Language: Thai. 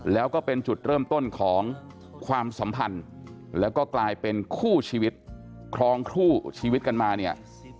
แล้วก็เป็นจุดเริ่มต้นของความสัมพันธ์แล้วก็กลายเป็นคู่ชีวิตครองคู่ชีวิตกันมาเนี่ย